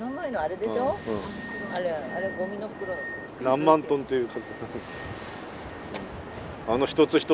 何万トンっていう。